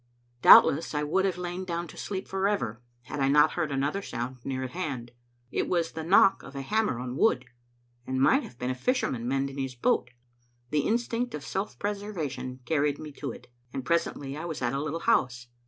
Doubtless I would have lain down to sleep forever had I not heard another sound near at hand. It was the knock of a hammer on wood, and might have been a fisherman mending his boat. The instinct of self preservation carried me to it, and presently I was at a little house.